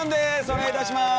お願いいたします！